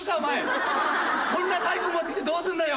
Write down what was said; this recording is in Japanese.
こんな太鼓持ってきてどうするんだよ！